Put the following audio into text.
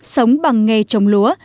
sống bằng nghề trồng lúa